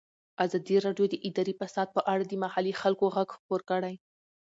ازادي راډیو د اداري فساد په اړه د محلي خلکو غږ خپور کړی.